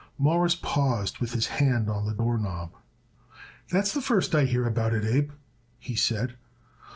Morris paused with his hand on the door knob. "That's the first I hear about it, Abe," he said.